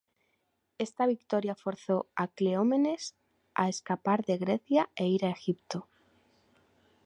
Esta victoria forzó a Cleómenes a escapar de Grecia e ir a Egipto.